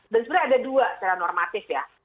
dan sebenarnya ada dua secara normatif ya